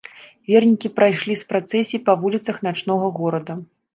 Вернікі прайшлі з працэсіяй па вуліцах начнога горада.